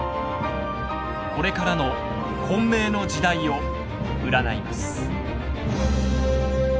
これからの混迷の時代を占います。